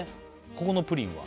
ここのプリンは？